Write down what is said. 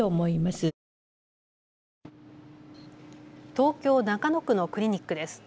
東京中野区のクリニックです。